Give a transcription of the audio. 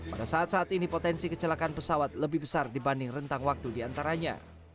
pada saat saat ini potensi kecelakaan pesawat lebih besar dibanding rentang waktu di antaranya